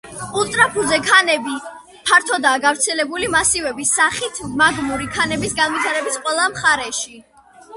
ულტრაფუძე ქანები ფართოდაა გავრცელებული მასივების სახით მაგმური ქანების განვითარების ყველა მხარეში.